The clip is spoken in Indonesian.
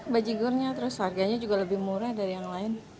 bajigurnya terus harganya juga lebih murah dari yang lain